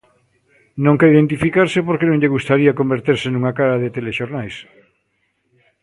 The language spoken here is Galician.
Non quere identificarse porque non lle gustaría converterse nunha cara de telexornais.